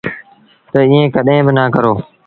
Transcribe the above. تا ايٚئيٚن ڪڏهيݩ با نا ڪرو۔